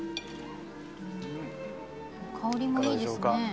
香りもいいですね。